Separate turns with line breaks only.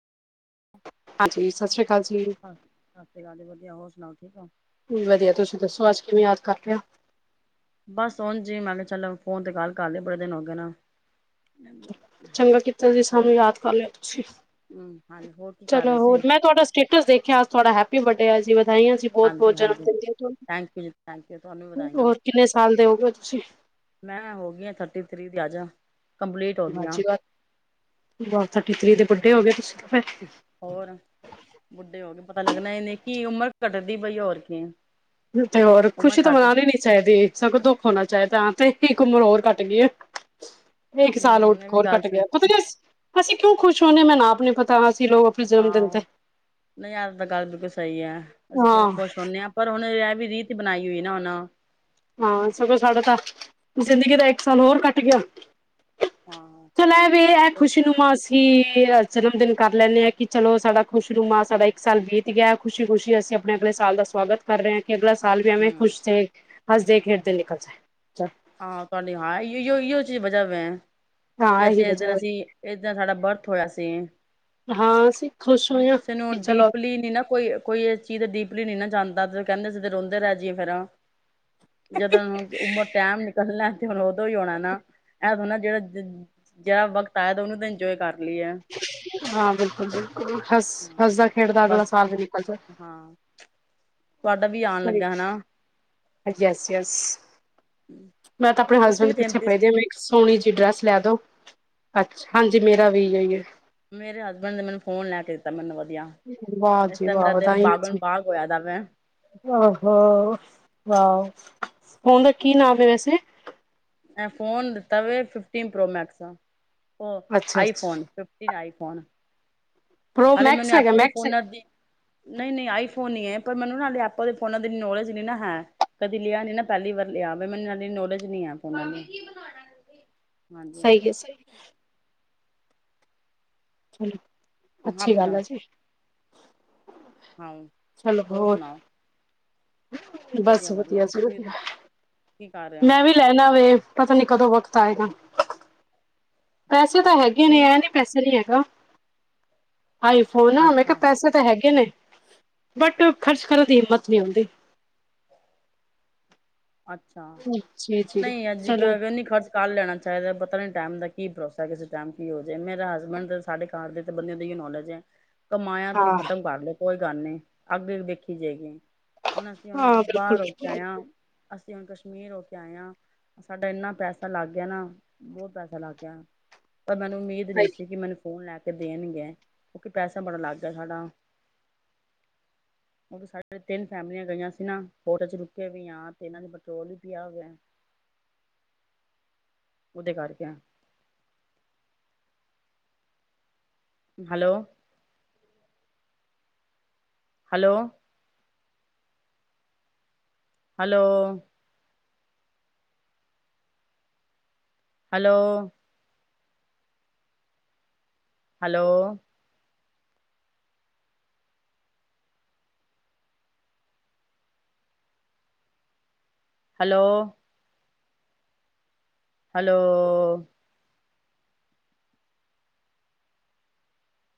ਹਾਂਜੀ, ਸਤਿ ਸ਼੍ਰੀ ਅਕਾਲ ਜੀ।
ਸਤਿ ਸ੍ਰੀ ਅਕਾਲ, ਵਧੀਆ, ਹੋਰ ਸੁਣਾਓ, ਠੀਕ ਹੋ?
ਵਧੀਆ, ਤੁਸੀਂ ਦੱਸੋ, ਅੱਜ ਕਿਵੇਂ ਯਾਦ ਕਰ ਲਿਆ।
ਬਸ ਉਝ ਹੀ ਮੈਂ ਕਿਹਾ, ਚੱਲ ਫੋਨ ਤੇ ਕਾਲ ਕਰ ਲੋ ਬੜੇ ਦਿਨ ਹੋ ਗਏ ਨਾ।
ਚੰਗਾ ਕੀਤਾ ਦੇ,
ਹੋਰ
ਸਾਨੂੰ ਯਾਦ ਕਰ ਲਿਆ ਤੁਸੀਂ
ਹੂੰ ਹਾਂਜੀ ਹੋਰ ਕੀ ਕਰ
ਚਲੋ
ਰਹੇ ਸੀ
ਹੋਰ, ਮੈਂ ਤੁਹਾਡਾ ਸਟੇਟਸ ਦੇਖਿਆ, ਅਜ ਤੋਹਾਡਾ ਹੈਪੁ ਬਰਡੇ ਹੈ ਜੀ, ਵਧਾਈਆਂ ਜੀ। ਬਹੁਤ-ਬਹੁਤ
ਹਾਂਜੀ
ਜਨਮ
ਹਾਂਜੀ।
ਦਿੰਨ ਦਿਆਂ,
ਥੈਂਕ ਯੂ ਜੀ ਥੈਂਕ ਯੂ ਵੀ
ਤੁਹਾਨੂੰ
ਵਧਾਈਆਂ
ਹੋਰ ਕਿੰਨੇ ਸਾਲ ਦੇ ਹੋਗੇ ਹੋ ਤੁਸੀਂ।
ਮੈਂ ਨਾ ਹੋ ਗਈ ਹਾ, ਥਰਟੀ ਥ੍ਰਰੀ ਦੀ ਆਜ।
ਅੱਛੀ ਬਾਤ ਥਰਟੀ ਥ੍ਰੀ, ਦੇ ਵੱਡੇ ਹੋ ਗਏ ਤੁਸੀਂ ਤਾਂ ਫਿਰ।
ਹੋਰ ਬੁੱਢੇ ਹੋ ਗਏ, ਪਤਾ ਲੱਗਣਾ ਇਹ ਨੀ ਕੀ ਉਮਰ ਘੱਟਦੀ ਪਣੀ ਹੈ। ਹੋਰ ਕਿ
ਕਿਥੇ ਹੋਰ ਖੁਸ਼ੀ ਤਾਂ ਮਨਾ ਹੀ ਨੀ ਸੀ। ਚਾਹੀਦੀ ਸਗੋਂ, ਦੁੱਖ ਹੋਣਾ ਚਾਹੀਦਾ ਹੈ, ਤੇ ਇੱਕ ਉਮਰ ਹੋਰ ਘਟ ਗਈ ਏ। ਇੱਕ
ਹੂੰ
ਸਾਲ
ਇਹ ਵੀ
ਹੋਰ
ਗੱਲ
ਘੱਟ
ਸ
ਗਿਆ। ਪਤਾ ਨੀ ਅਸੀਂ ਕਿਉਂ ਖੁਸ਼ ਹੁੰਦੇ ਹਾ, ਮੈਨੂ ਆਪ ਨੀ ਪਤਾ ਅਸੀਂ ਲੋਕ। ਜਨਮ
ਹਾਂ
ਦਿਨ ਤੇ
ਔ ਨੀ ਏ ਤਾਂ ਗੱਲ ਬਿਲਕੁਲ ਸਹੀ ਹੈ। ਅਸੀਂ
ਹਾਂ
ਕਿਉਂ ਖੁਸ਼ ਹੁੰਦੇ ਹਾਂ। ਪਰ ਹੁਣ ਇਹ ਵੀ, ਰੀਤ ਬਣਾਈ ਹੋਈ ਨਾ ਉਹਨਾਂ
ਹਾਂ ਸਗੋਂ ਸਾਡਾ ਤਾਂ, ਜ਼ਿੰਦਗੀ ਦਾ ਇੱਕ ਸਾਲ ਹੋਰ ਘੱਟ ਗਿਆ।
ਹਾਂ
ਚਲੋ ਹੈ ਵੀ ਐ ਖੁਸ਼ਨੁਮਾ ਸੀ। ਕੀ ਜਨਮ ਦਿਨ ਕਰ ਲੈਂਦੇ ਆ, ਕਿ ਚਲੋ ਸਾਡਾ ਖੁਸ਼ਰੂਮਾ ਸਾਡਾ ਇੱਕ ਸਾਲ ਬੀਤ ਗਿਆ। ਖੁਸ਼ੀ-ਖੁਸ਼ੀ ਅਸੀਂ ਆਪਣੇ ਅਗਲੇ ਸਾਲ ਦਾ ਸਵਾਗਤ ਕਰ ਰਹੇ ਹਾਂ, ਕਿ ਅਗਲਾ ਸਾਲ ਵੀ ਐਵੇਂ
ਹੂੰ
ਖੁਸ਼ ਰਹੇ। ਹੱਸਦੇ- ਖੇਡਦੇ ਲਿਕਲ ਜਾਏ।
ਹਾਂ ਤੁਹਾਡੀ ਹਾਂ, ਏਹੀ ਓ ਚੀਜ਼ ਵਜਾ ਹੋ
ਹਾਂ
ਕਿ
ਇਹੀ
ਅਸੀਂ ਇਸ
ਵਜ੍ਹਾ
ਦਿਨ
ਹੋਈ
ਅਸੀਂ ਇਦਾ ਸਾਡਾ ਬਰਥ ਹੋਇਆ ਸੀ।
ਹਾਂ ਅਸੀਂ ਖੁਸ਼
ਹੁਣ
ਹੋਏ ਹਾਂ
ਕਿਸੇ ਨੂੰ
ਕਿ ਚਲੋ
ਡੀਪਲੀ ਨੀ ਨਾ ਕੋਈ ਕੋਈ ਇਹ ਚੀਜ਼ ਤੇ ਡੀਪਲੀ ਨਹੀਂ ਨਾ ਜਾਂਦਾ। ਤੇ ਕਹਿੰਦੇ ਸੀ ਤੇ ਰੋਂਦੇ ਰਹਿ ਜਈਏ ਫੇਰਾਂ। ਜਦੋਂ ਉਮਰ ਟੈਮ ਨਿਕਲਣਾ ਤੇ ਹੁਣ ਉਦੋਂ ਹੀ ਆਉਣਾ ਨਾ, ਇਹ ਥੋੜਾ ਨਾ ਜਿਹੜਾ। ਜਿਹੜਾ ਵਕਤ ਆਇਆ ਤਾਂ ਉਹਨੂੰ ਤਾਂ ਇੰਜੋਏ ਕਰ ਲਈਏ।
ਹਾਂ ਬਿਲਕੁਲ-ਬਿਲਕੁਲ ਹਸ ਹੱਸਦਾ- ਖੇਡਦਾ ਅਗਲਾ
ਬਸ
ਸਾਲ ਵੀ ਨਿਕਲ ਜਾਣੇ।
ਹਾਂ, ਤੁਹਾਡਾ ਵੀ ਆਉਣ ਲੱਗਾ ਹੈਨਾ।
ਯਸ-ਯਸ ਮੈਂ ਤਾਂ ਆਪਣੇ
ਤੁਸੀਂ
ਹਸਬੈਂਡ
ਵੀ
ਪਿੱਛੇ
ਤੇਤੀ
ਪਏਦੇ ਬ ਸੋਹਣੀ ਜਿਹੀ ਡਰੈਸ ਲੈ ਦੋ। ਅੱਛਾ ਹਾਂਜੀ ਮੇਰਾ ਵੀ ਇਹੀਓ ਹੈ।
ਮੇਰੇ ਹਸਬੈਂਡ ਨੇ ਮੈਨੂੰ ਫੋਨ ਲੈ ਕੇ ਦਿੱਤਾ ਮੈਨੂੰ ਵਧੀਆ।
ਵਾਹ
ਇਸ
ਜੀ
ਟੇਮ
ਵਾਹ
ਮੇਰਾ ਦਿਲ
ਵਧਾਈਆਂ ਜੀ
ਬਾਗਮ ਬਾਗ ਹੋਇਆ ਦਾ ਵੈਂ।
ਆਹੋ, ਵਾਹੋ, ਫੋਨ ਦਾ ਕੀ ਨਾਮ ਹੈ ਵੈਸੇ?
ਐ ਫੋਨ ਲਿੱਤਾ ਵੇ, ਫਿਫਟੀਨ ਪ੍ਰੋ ਮੈਕਸ ਦਾ, ਉਹ
ਅੱਛਾ
ਆਈ
ਅੱਛਾ
ਫੋਨ। ਟੀਨ ਆਈਫੋਨ।
ਪ੍ਰੋ
ਹਾਲੇ
ਮੈਕਸ
ਮੈਨੂੰ
ਹੈਗਾ
ਐਪਲ ਦੇ
ਮੈਕਸ
ਫੋਨਾਂ ਦੀ। ਨਹੀਂ-ਨਹੀਂ ਆਈ ਫੋਨ ਹੀ ਹੈ, ਪਰ ਮੈਨੂੰ ਨਾ ਹਾਲੇ ਐਪਲ ਦੇ ਫੋਨਾਂ ਦੀ ਇਨੀ ਨੌਲੇਜ ਨਹੀਂ ਨਾ ਹੈ। ਕਦੀ ਲਿਆ ਨੀ ਨਾ, ਪਹਿਲੀ ਵਾਰ ਲਿਆ। ਫੇਰ ਮੈਨੂੰ ਇਨੀੱ ਨੌਲੇਜ ਨਹੀਂ ਆ ਫੋਨਾ ਦੀ। ਹਾਂਜੀ
ਸਾਂਹੀ ਕਹਾ ਹੈ ਸਹੀ। ਹੈ,
ਹਾਂ
ਅੱਛੀ ਗੱਲ
ਪੂਜਾ
ਆ ਜੀ।
ਹਾਂ।
ਚਲੋ ਹੋਰ? ਬਸ ਵਧੀਆ ਜੇ ਵਧੀਆ।
ਕੀ ਕਰ ਰਿਹੇ ਹੋ?
ਮੈਂ ਵੀ ਲੈਣਾ ਵੇ ਪਤਾ ਨੀ ਕਦੋਂ ਵਕਤ ਆਏਗਾ। ਪੈਸੇ ਤਾਂ ਹੈਗੇ ਨੇ,
ਕੀ
ਇਹ ਨੀ ਪੈਸੇ ਨੀ ਹੈਗਾ। ਆਈਫੋਨ ਨਾ ਮੈਂ ਕਿਹਾ
ਅੱਛਾ
ਪੈਸੇ। ਤਾਂ ਹੈਗੇ ਨੇ ਬਟ ਖਰਚ ਕਰਨ ਦੀ ਹਿੰਮਤ ਨਹੀਂ ਆਉਂਦੀ।
ਅੱਛਾ,
ਜੀ ਜੀ
ਨਹੀਂ
ਚਲੋ
ਅੱਜਨੀ ਖਰਚ। ਕੱਲ ਲੈਣਾ ਚਾਹੀਦਾ, ਪਤਾ ਨੀ ਟਾਈਮ ਦਾ ਕੀ ਭੋਸਾ। ਕਿਸੇ ਟਾਈਮ ਕੀ ਹੋ ਜਾਵੇ ਮੇਰਾ ਹਸਬੈਂਡ ਸਾਡੇ ਘਰ ਦੇ ਤੇ ਬੰਦਿਆਂ ਦੀ ਇਹ ਹੀ ਨੌਲੇਜ ਹੈ। ਕਮਾਇਆ ਤੈ ਓਹਨੂੰ
ਹਾਂ
ਖਤਮ ਕਰ ਲਓ, ਕੋਈ ਗੱਲ ਨਹੀਂ, ਅੱਗੇ ਦੇਖੀ ਜਾਏਗੀ। ਹੁਣ ਅਸੀਂ ਹੁਣੇ
ਹਾਂ ਬਿਲਕੁਲ
ਬਾਹਰ ਹੋ ਕੇ ਆਏ ਹਾਂ, ਅਸੀਂ ਹੁਣ ਕਸ਼ਮੀਰ ਹੋ ਕੇ ਆਏ ਹਾਂ। ਸਾਡਾ ਇੰਨਾ ਪੈਸਾ ਲੱਗ ਗਿਆ ਨਾ, ਬਹੁਤ ਪੈਸਾ ਲੱਗ ਗਿਆ, ਪਰ ਮੈਨੂੰ ਉਮੀਦ ਰੇ
ਸਹੀ
ਸੀ ਕਿ, ਮੈਨੂੰ ਫੋਨ ਲੈ ਕੇ ਦੇਣਗੇ, ਕਿਉਂਕਿ ਪੈਸਾ ਬੜਾ ਲੱਗ ਗਿਆ ਸਾਡਾ। ਉਹ ਸਾਡੇ ਤਿੰਨ ਫੈਮਲੀਆਂ ਗਈਆਂ ਸੀ ਨਾ, ਹੋਟਲ ਚ ਰੁਕੇ ਵੀ ਆ। ਤੇ ਇਹਨਾਂ ਨੇ ਪੈਟਰੋਲ ਵੀ ਪਿਆ ਹੁਆ ਹੈ। ਉਹਦੇ ਕਰਕੇ hello. Hello. Hello. Hello. Hello. Hello. Hello.